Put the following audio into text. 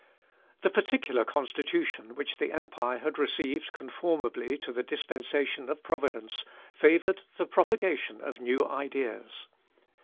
The particular constitution which the empire had received conformably to the dispensation of Providence, favoured the propagation of new ideas.